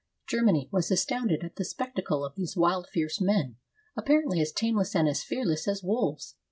Germany was astounded at the spectacle of these wild, fierce men, apparently as tameless and as fearless as wolves.